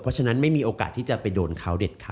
เพราะฉะนั้นไม่มีโอกาสที่จะไปโดนเขา